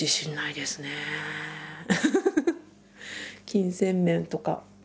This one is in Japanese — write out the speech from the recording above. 金銭面とか。